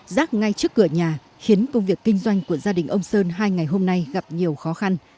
rác ngay trước cửa nhà khiến công việc kinh doanh của gia đình ông sơn hai ngày hôm nay gặp nhiều khó khăn